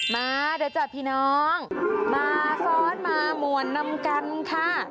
มาเดี๋ยวจ้ะพี่น้องมาซ้อนมาหมวลนำกันค่ะ